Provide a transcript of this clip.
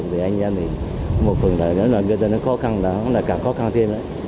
thì anh em thì một phần thời nếu mà ngư dân nó khó khăn nó là càng khó khăn thêm đấy